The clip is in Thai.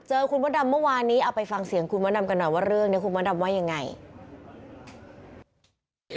คุณพ่อดำเมื่อวานนี้เอาไปฟังเสียงคุณมดดำกันหน่อยว่าเรื่องนี้คุณมดดำว่ายังไง